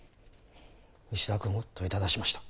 石田君を問いただしました。